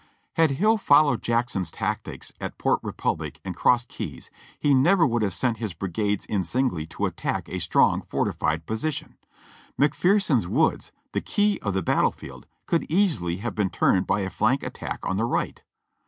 Had Hill followed Jackson's tactics at Port Republic and Cross Keys he never would have sent his brigades in singly to attack a strong, fortified position. McPherson's woods, the key of the battle field, could easily have been turned by a flank attack on the right.